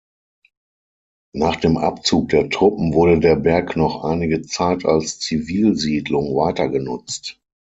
Nach dem Abzug der Truppen wurde der Berg noch einige Zeit als Zivilsiedlung weitergenutzt.